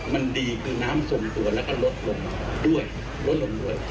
มันดีคือน้ำทรงตัวแล้วก็ลดลงด้วยลดลงด้วย